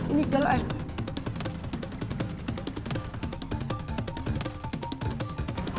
ini gila eh